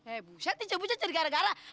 eh buset itu buceh cergareganya kan